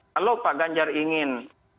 kalau pak ganjar ingin